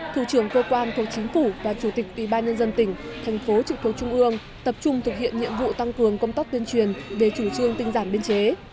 thủ trưởng cơ quan thuộc chính phủ và chủ tịch ủy ban nhân dân tỉnh thành phố trực thuộc trung ương tập trung thực hiện nhiệm vụ tăng cường công tác tuyên truyền về chủ trương tinh giản biên chế